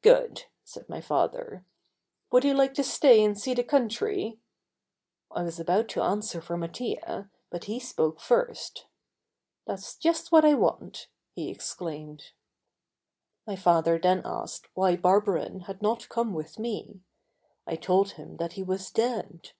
"Good," said my father; "would he like to stay and see the country?" I was about to answer for Mattia, but he spoke first. "That's just what I want," he exclaimed. My father then asked why Barberin had not come with me. I told him that he was dead.